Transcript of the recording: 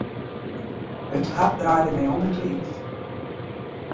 It hart draaide my om yn it liif.